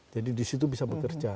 jadi di situ bisa bekerja